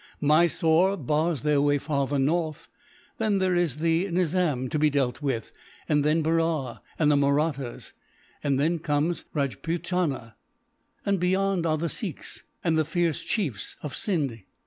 Mysore bars their way farther north. Then there is the Nizam to be dealt with, and then Berar and the Mahrattas; then comes Rajputana, and beyond are the Sikhs, and the fierce chiefs of Scinde.